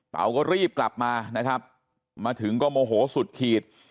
เขาก็รีบกลับมานะครับมาถึงก็โมโหสุดขีด